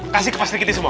kasih kepas dikitin semua